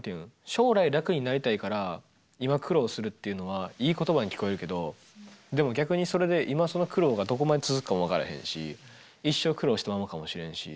将来楽になりたいから今苦労をするっていうのはいい言葉に聞こえるけどでも逆にそれで今その苦労がどこまで続くかも分からへんし一生苦労したままかもしれんし。